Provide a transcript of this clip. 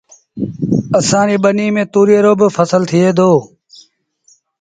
اسآݩ ريٚ ٻنيٚ ميݩ تُوريئي رو با ڦسل ٿئي دو